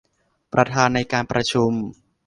ประธานในการประชุม